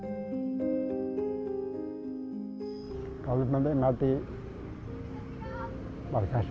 bahkan salah satu mimpi sederhana sunardi adalah mempunyai rumah yang lain